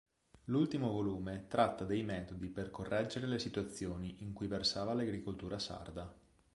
L'ultimo volume tratta dei metodi per correggere le situazioni in cui versava l'agricoltura sarda.